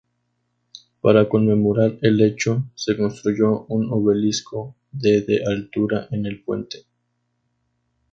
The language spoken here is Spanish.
Para conmemorar el hecho, se construyó un obelisco de de altura en el puente.